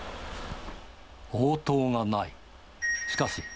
応答がない。